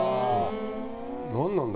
何なんだ